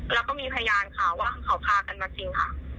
แล้วก็มีพยานค่ะว่าเขาพากันมาจริงค่ะ